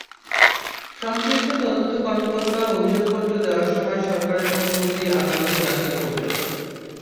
সংশ্লিষ্ট তদন্ত কর্মকর্তা অভিযোগপত্র দেওয়ার সময় সরকারের অনুমতি আদালতে দাখিল করবেন।